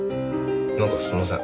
なんかすいません。